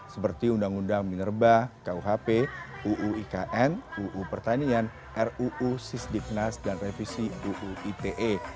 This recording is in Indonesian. seperti undang undang minerba kuhp uu ikn uu pertanian ruu sisdiknas dan revisi uu ite